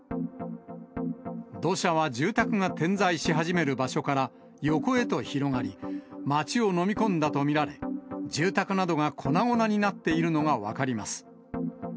土砂は住宅が点在し始める場所から横へと広がり、街を飲み込んだと見られ、住宅などが粉々になっているのが分かります。